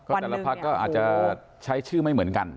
แต่ละพักก็อาจจะใช้ชื่อไม่เหมือนกัน